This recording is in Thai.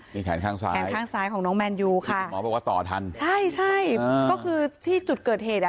แขนข้างซ้ายแขนข้างซ้ายของน้องแมนยูค่ะคุณหมอบอกว่าต่อทันใช่ใช่ก็คือที่จุดเกิดเหตุอ่ะ